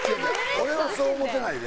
俺はそう思ってないで。